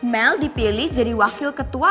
mel dipilih jadi wakil ketua